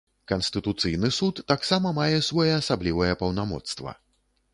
Канстытуцыйны суд таксама мае своеасаблівае паўнамоцтва.